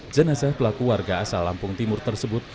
jenazah pelaku warga asal lampung timur tersebut